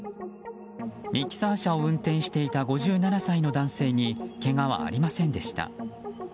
ミキサー車を運転していた５７歳の男性にけがはありませんでした。